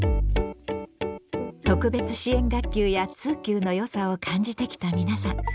特別支援学級や通級の良さを感じてきた皆さん。